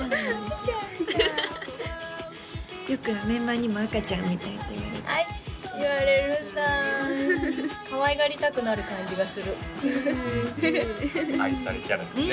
赤ちゃんみたいよくメンバーにも赤ちゃんみたいって言われて言われるんだかわいがりたくなる感じがするえ嬉しい愛されキャラですね